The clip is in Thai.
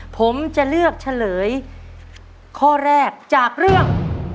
ผมจะเลือกเฉลยข้อแรกจากเรื่อง